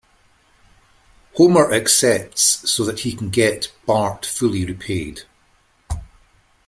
Homer accepts so that he can get Bart fully repaid.